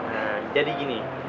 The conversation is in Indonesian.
nah jadi gini